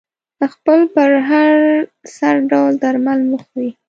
خپل پر سر هر ډول درمل مه خوری